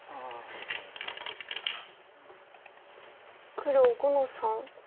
黒５の三。